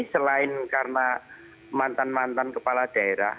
selain karena mantan mantan kepala daerah